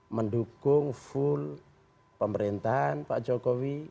mendukung full pemerintahan pak jokowi